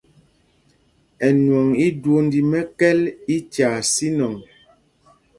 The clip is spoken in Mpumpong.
Ɛnwɔŋ íjwónd í mɛ̄kɛ̄l í tyaa sínɔŋ.